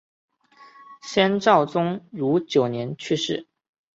先赵宗儒九年去世。